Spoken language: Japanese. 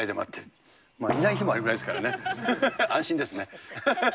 いない日もあるぐらいですからね、安心ですね。